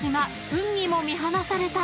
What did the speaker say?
運にも見放された］